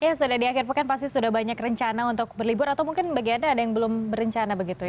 ya sudah di akhir pekan pasti sudah banyak rencana untuk berlibur atau mungkin bagi anda ada yang belum berencana begitu ya